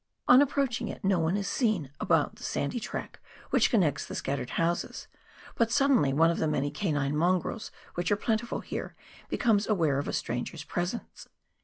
On approaching it no one is seen about the sandy track which connects the scattered houses, but suddenly one of the many canine mongrels which are plentiful here, becomes aware of a stranger's presence.